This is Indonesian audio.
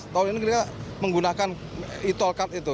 tahun ini kita menggunakan e tol card itu